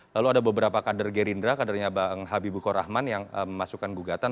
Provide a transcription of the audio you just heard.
lalu ada beberapa kader gerindra kadernya bang habibu korahman yang memasukkan gugatan